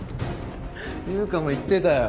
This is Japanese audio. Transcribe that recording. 優香も言ってたよ。